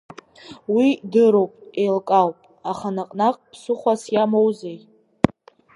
Уи дыруп, еилкаауп, аха наҟ-наҟ ԥсыхәас иамоузеи?